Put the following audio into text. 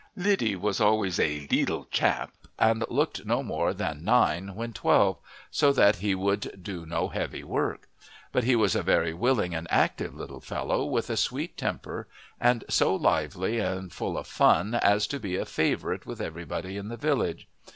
Liddy was always a "leetel chap," and looked no more than nine when twelve, so that he could do no heavy work; but he was a very willing and active little fellow, with a sweet temper, and so lively and full of fun as to be a favourite with everybody in the village.